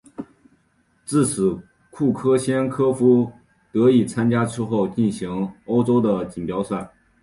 至此库克先科夫得以参加之后进行的欧洲锦标赛。